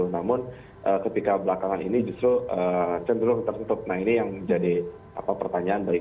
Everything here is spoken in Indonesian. dua ribu dua puluh namun ketika belakangan ini justru cenderung tertutup nah ini yang menjadi pertanyaan baik